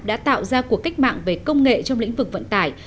đã tạo ra cuộc cách mạng về công nghệ trong lĩnh vực vận tải